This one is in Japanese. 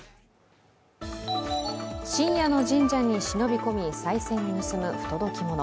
深夜の神社に忍び込み、さい銭を盗む不届き者。